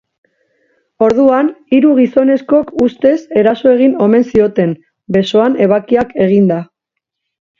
Orduan, hiru gizonezkok ustez eraso egin omen zioten, besoan ebakiak eginda.